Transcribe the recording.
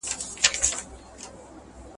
تا هم کړي دي د اور څنګ ته خوبونه؟ !.